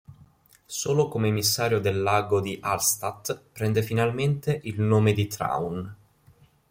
Solo come emissario del lago di Hallstatt, prende finalmente il nome di Traun.